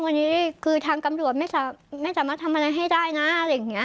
วันนี้คือทางตำรวจไม่สามารถทำอะไรให้ได้นะอะไรอย่างนี้